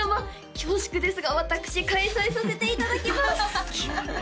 恐縮ですが私開催させていただきますうわ